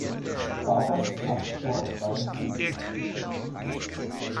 Barbas ist nach wie vor „auf freiem Fuß“.